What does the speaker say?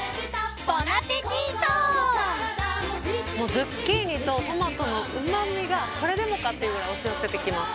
ボナペティートもうズッキーニとトマトのうまみがこれでもかっていうぐらい押し寄せてきます。